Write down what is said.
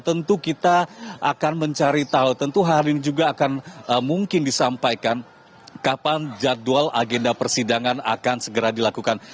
tentu kita akan mencari tahu tentu hari ini juga akan mungkin disampaikan kapan jadwal agenda persidangan akan segera dilakukan